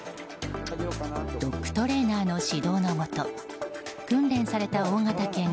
ドッグトレーナーの指導のもと訓練された大型犬